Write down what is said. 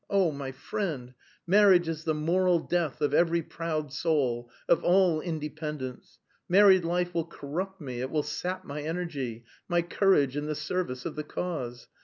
Oh, my friend, marriage is the moral death of every proud soul, of all independence. Married life will corrupt me, it will sap my energy, my courage in the service of the cause.